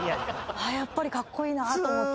やっぱりカッコイイなと思って。